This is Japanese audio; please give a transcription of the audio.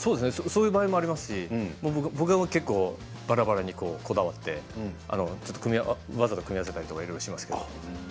そういう場合もありますし僕は結構ばらばらにこだわってわざわざ組み合わせたりとかいろいろしますけども。